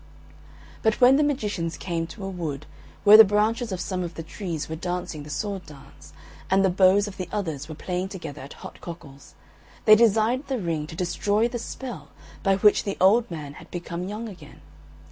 But when the magicians came to a wood, where the branches of some of the trees were dancing the sword dance, and the boughs of the others were playing together at hot cockles, they desired the ring to destroy the spell by which the old man had become young again.